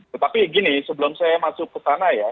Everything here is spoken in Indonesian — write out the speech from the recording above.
tetapi gini sebelum saya masuk ke sana ya